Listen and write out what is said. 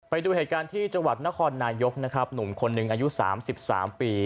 ไปดูเหตุการณ์ที่จังหวัดนครนายกหนุ่มคน๑อายุ๓๓ปี